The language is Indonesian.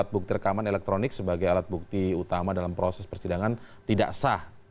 empat bukti rekaman elektronik sebagai alat bukti utama dalam proses persidangan tidak sah